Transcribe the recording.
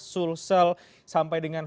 sulsel sampai dengan